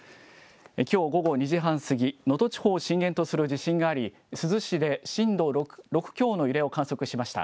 きょう午後２時半過ぎ、能登地方を震源とする地震があり、珠洲市で震度６強の揺れを観測しました。